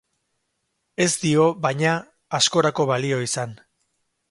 Ez dio, baina, askorako balio izan.